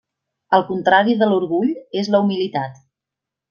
El contrari de l'orgull és la humilitat.